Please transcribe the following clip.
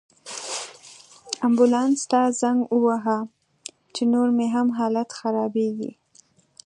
امبولانس ته زنګ ووهه، چې نور مې هم حالت خرابیږي